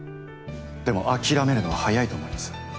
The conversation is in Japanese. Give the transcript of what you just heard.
でも諦めるのは早いと思います。